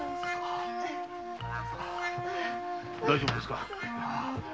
大丈夫ですか？